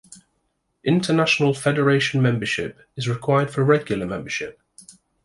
International Federation membership is required for regular membership.